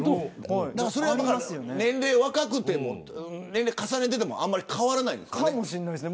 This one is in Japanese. それは年齢が若くても年齢を重ねててもあんまり変わらないんですかね。